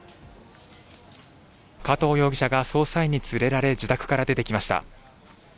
加藤容疑者が捜査員に連れられ、自宅から出てきました。